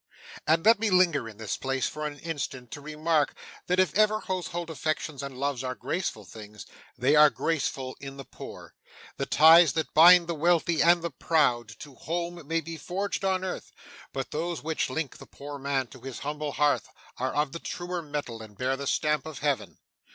And let me linger in this place, for an instant, to remark that if ever household affections and loves are graceful things, they are graceful in the poor. The ties that bind the wealthy and the proud to home may be forged on earth, but those which link the poor man to his humble hearth are of the truer metal and bear the stamp of Heaven.